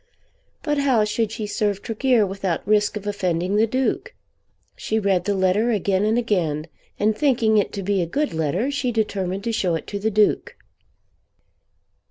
But how should she serve Tregear without risk of offending the Duke? She read the letter again and again, and thinking it to be a good letter she determined to show it to the Duke.